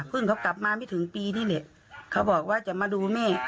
เขากลับมาไม่ถึงปีนี่แหละเขาบอกว่าจะมาดูแม่